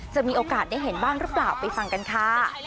จะมีโอกาสได้เห็นบ้างหรือเปล่าไปฟังกันค่ะ